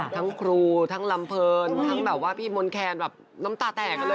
ทั้งครูทั้งลำเพลินทั้งแบบว่าพี่มนต์แคนแบบน้ำตาแตกกันเลย